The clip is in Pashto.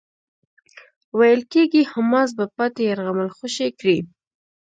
ویل کېږی حماس به پاتې يرغمل خوشي کړي.